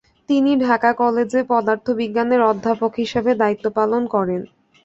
তিনি ঢাকা কলেজে পদার্থবিজ্ঞানের অধ্যাপক হিসাবে দায়িত্ব পালন করেন।